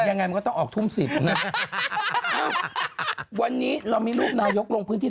ยังไงมันก็ต้องออกทุ่มสิบนะวันนี้เรามีรูปนายกลงพื้นที่